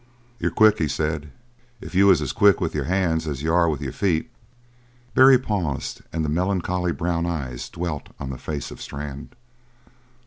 "You're quick," he said. "If you was as quick with your hands as you are with your feet " Barry paused and the melancholy brown eyes dwelt on the face of Strann.